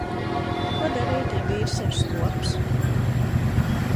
Ko darīt, ja vīrs ir skops?